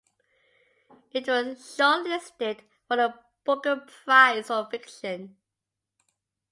It was shortlisted for the Booker Prize for Fiction.